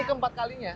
ini keempat kalinya